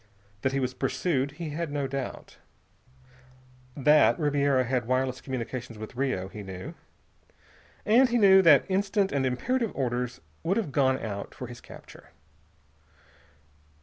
That he was pursued, he had no doubt. That Ribiera had wireless communications with Rio, he knew. And he knew that instant, and imperative orders would have gone out for his capture.